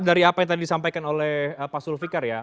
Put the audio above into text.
dari apa yang tadi disampaikan oleh pak sulfikar ya